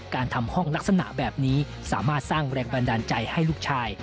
การทำห้องลักษณะแบบนี้สามารถสร้างแรงบันดาลใจให้ลูกชาย